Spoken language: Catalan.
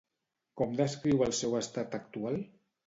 Com descriu el seu estat actual?